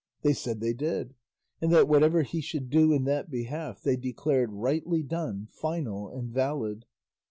They said they did, and that whatever he should do in that behalf they declared rightly done, final and valid.